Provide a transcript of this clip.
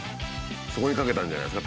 そこにかけたんじゃないですか？